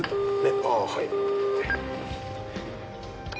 ああはい。